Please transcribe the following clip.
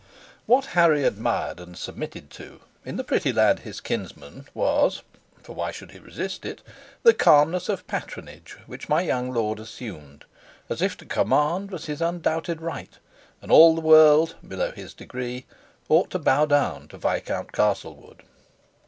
What Harry admired and submitted to in the pretty lad his kinsman was (for why should he resist it?) the calmness of patronage which my young lord assumed, as if to command was his undoubted right, and all the world (below his degree) ought to bow down to Viscount Castlewood.